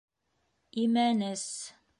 Имәнес.